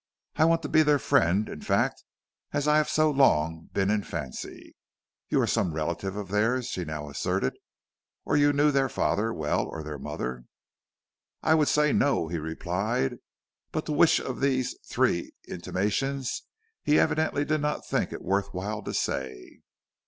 I want to be their friend in fact as I have so long been in fancy." "You are some relative of theirs," she now asserted, "or you knew their father well or their mother." "I wouldn't say no," he replied, but to which of these three intimations, he evidently did not think it worth while to say.